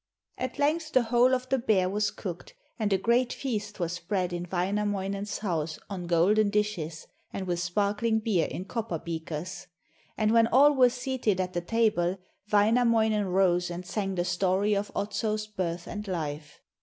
At length the whole of the bear was cooked, and a great feast was spread in Wainamoinen's house on golden dishes, and with sparkling beer in copper beakers. And when all were seated at the table, Wainamoinen rose and sang the story of Otso's birth and life.